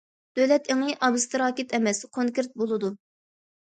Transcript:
دۆلەت ئېڭى ئابستراكت ئەمەس، كونكرېت بولىدۇ.